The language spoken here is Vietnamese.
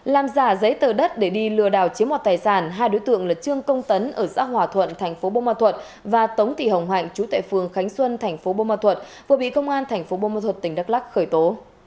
làm giả giấy tờ đất để đi lừa đảo chiếm mọt tài sản hai đối tượng là trương công tấn ở xã hòa thuận tp bô ma thuật và tống thị hồng hạnh chú tệ phương khánh xuân tp bô ma thuật vừa bị công an tp bô ma thuật tỉnh đắk lắc khởi tố